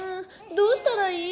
どうしたらいい？